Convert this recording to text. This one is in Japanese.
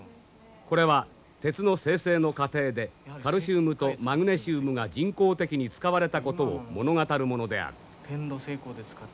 これは鉄の精製の過程でカルシウムとマグネシウムが人工的に使われたことを物語るものである。